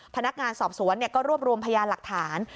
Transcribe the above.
พนักงานสอบสวนก็รวบรวมพยานหลักฐาน